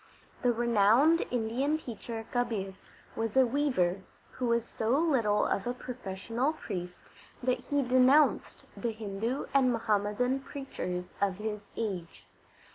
The renowned Indian teacher Kabir was a weaver, who was so little of a professional priest that he denounced the Hindu and Muhammadan preachers of his age.